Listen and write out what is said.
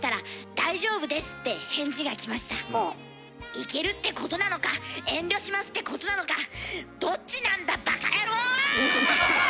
行けるってことなのか遠慮しますってことなのかどっちなんだバカヤロー！